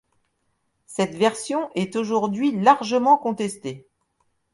Cette version est aujourd'hui largement contestée.